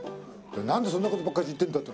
なんでそんな事ばっかり言ってんだって。